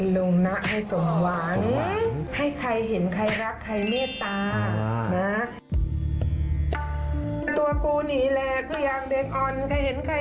ลงนักให้สมหวังให้ใครเห็นใครรักใครเมตตานะ